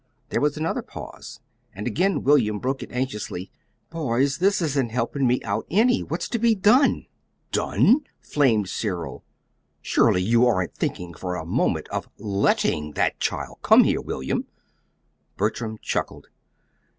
There was another pause, and again William broke it anxiously. "Boys, this isn't helping me out any! What's to be done?" "'Done'!" flamed Cyril. "Surely, you aren't thinking for a moment of LETTING that child come here, William!" Bertram chuckled.